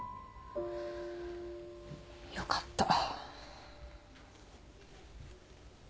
よかった。